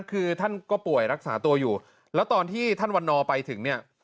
คือท่านก็ป่วยรักษาตัวอยู่แล้วตอนที่ท่านวันนอร์ไปถึงเนี่ย